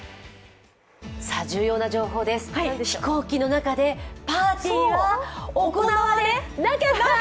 重要な情報です、飛行機の中でパーティーが行われなかった！